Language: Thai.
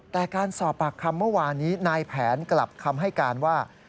แต่การสอบปากคำเมื่อวานนี้นายแผนกลับคำให้การว่า